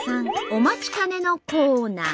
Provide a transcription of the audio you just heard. お待ちかねのコーナー！